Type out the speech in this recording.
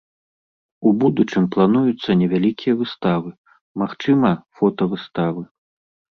У будучым плануюцца невялікія выставы, магчыма фотавыставы.